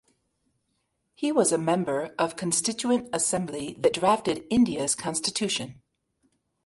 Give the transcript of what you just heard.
He was a member of constituent assembly that drafted India's constitution.